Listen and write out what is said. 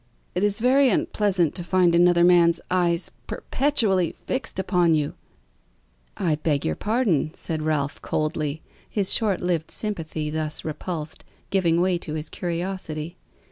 It is very unpleasant to find another man's eyes perpetually fixed upon you." "I beg your pardon," said Ralph, coldly; his short lived sympathy, thus repulsed, giving way to his curiosity.